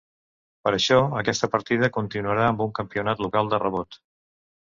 Per això aquesta partida continuarà amb un campionat local de rebot.